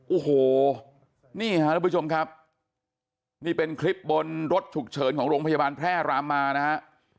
โอ้โหนี่ฮะทุกผู้ชมครับนี่เป็นคลิปบนรถฉุกเฉินของโรงพยาบาลแพร่รามมานะฮะ